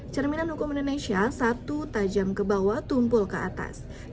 cerminan hukum indonesia satu tajam ke bawah tumpul ke atas